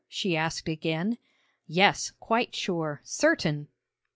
she asked again. 'Yes quite sure; certain.'